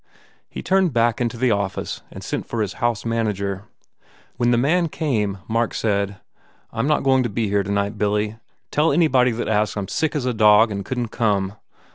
He turned back into the office and sent for his house manager. When the man came Mark said, "I m not going to be here tonight, Billy. Tell anybody that asks I m sick as a dog and couldn t come."